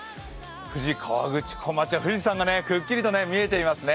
富士河口湖町は富士山がくっきりと見えていますね。